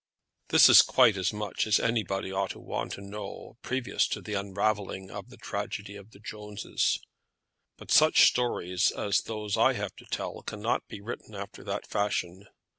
This is quite as much as anybody ought to want to know previous to the unravelling of the tragedy of the Jones's. But such stories as those I have to tell cannot be written after that fashion.